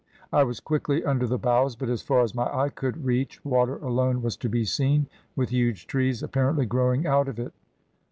I was quickly under the boughs, but as far as my eye could reach water alone was to be seen, with huge trees apparently growing out of it.